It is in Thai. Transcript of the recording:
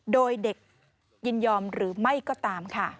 โดยเด็กยินยอมหรือไม่ก็ตามค่ะ